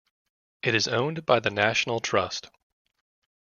It is owned by the National Trust.